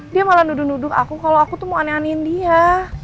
dia malah duduk duduk aku kalo aku tuh mau ane anein dia